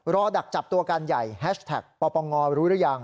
อดักจับตัวกันใหญ่แฮชแท็กปปงรู้หรือยัง